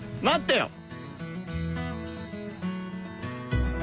待ってよ！